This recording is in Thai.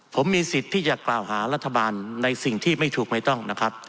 ผมมีสิทธิ์ที่จะกล่าวหารัฐบาลในสิ่งที่ไม่ถูกไม่ต้องนะครับ